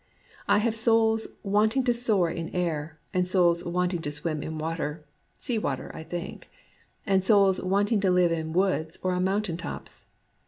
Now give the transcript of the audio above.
I have souls wanting to soar in air, and souls wanting to swim in water (sea water, I think), and souls wanting to live in woods or on mountain tops.